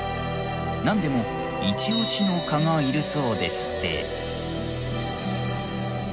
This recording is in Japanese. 何でも「イチ推しの蚊」がいるそうでして。